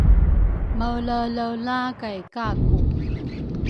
maelaelaela kay Kaku.